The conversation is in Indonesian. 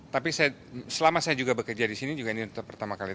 tapi selama saya juga bekerja di sini juga ini untuk pertama kali